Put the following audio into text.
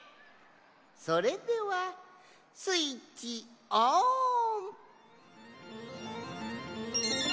それではスイッチオン！